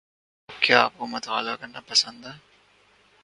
کیا آپ کو مطالعہ کرنا پسند ہے